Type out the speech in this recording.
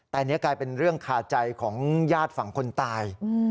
แต่อันนี้กลายเป็นเรื่องคาใจของญาติฝั่งคนตาย